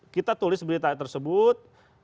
kita tulis berita tersebut